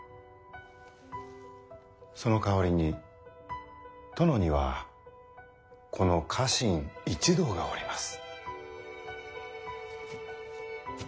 その代わりに殿にはこの家臣一同がおります。